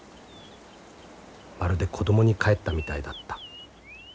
まるで子供に返ったみたいだった。